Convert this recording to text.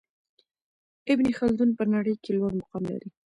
ابن خلدون په نړۍ کي لوړ مقام لري.